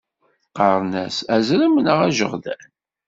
Qqaren-as aẓrem neɣ ajeɣdan.